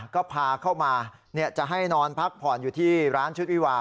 ก็พาเข้ามาจะให้นอนพักผ่อนอยู่ที่ร้านชุดวิวา